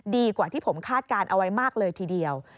ดีกว่าที่ผมคาดการณ์เอาไว้มากเลยทีเดียว